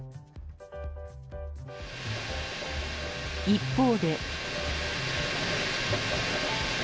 一方で。